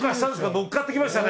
乗っかってきましたね。